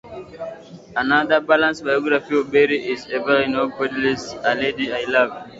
Another balanced biography of Berry is Evelyn Hoge Pendley's "A Lady I Loved".